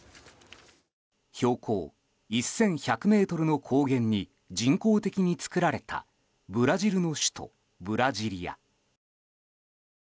標高１１００ｍの高原に人工的に作られたブラジルの首都ブラジリア。